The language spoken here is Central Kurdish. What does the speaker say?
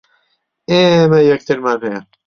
ئێمە یەکترمان ھەیە.